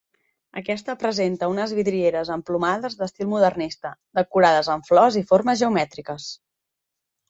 Aquesta presenta unes vidrieres emplomades d'estil modernista, decorades amb flors i formes geomètriques.